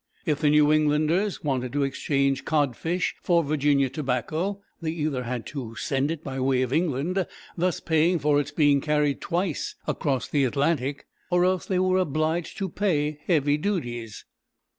If the New Englanders wanted to exchange codfish for Virginia tobacco, they either had to send it by way of England, thus paying for its being carried twice across the Atlantic, or else they were obliged to pay heavy duties.